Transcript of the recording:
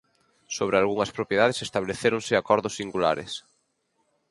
Sobre algunhas propiedades establecéronse acordos singulares.